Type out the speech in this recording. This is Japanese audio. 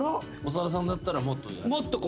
長田さんだったらもっと？